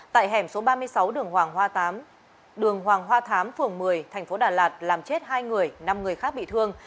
tại hẻm số ba mươi sáu đường hoàng hoa thám phường một mươi tp đà lạt làm chết hai người năm người khác bị thương